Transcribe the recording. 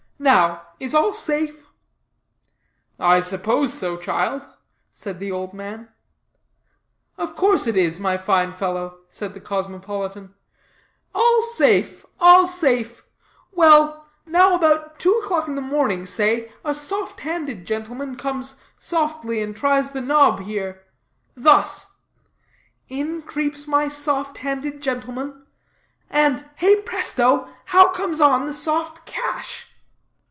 Now, is all safe?" "I suppose so, child," said the old man. "Of course it is, my fine fellow," said the cosmopolitan. "All safe. Well. Now, about two o'clock in the morning, say, a soft handed gentleman comes softly and tries the knob here thus; in creeps my soft handed gentleman; and hey, presto! how comes on the soft cash?"